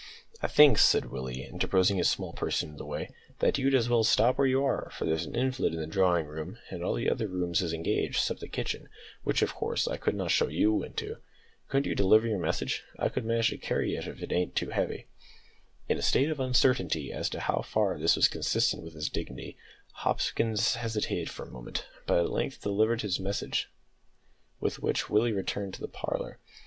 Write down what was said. "I think," said Willie, interposing his small person in the way, "that you'd as well stop where you are, for there's a invalid in the drawing room, and all the other rooms is engaged 'cept the kitchen, which of course I could not show you into. Couldn't you deliver your message? I could manage to carry it if it ain't too heavy." In a state of uncertainty as to how far this was consistent with his dignity, Hopkins hesitated for a moment, but at length delivered his message, with which Willie returned to the parlour.